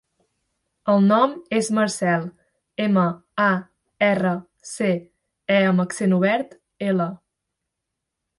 El nom és Marcèl: ema, a, erra, ce, e amb accent obert, ela.